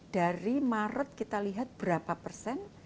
dari maret kita lihat berapa persen